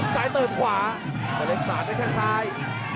สายเติบขวาแฟนต้าเล็กสายไปข้างซ้าย